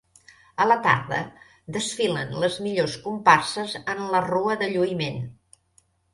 A la tarda, desfilen les millors comparses en la Rua de Lluïment.